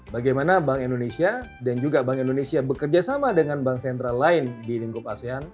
bagaimana bank indonesia dan juga bank indonesia bekerja sama dengan bank sentral lain di lingkup asean